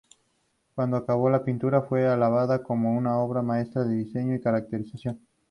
Cuando acabó, la pintura fue alabada como una obra maestra de diseño y caracterización.